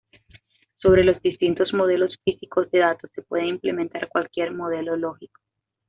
Sobre los distintos modelos físicos de datos se puede implementar cualquier modelo lógico.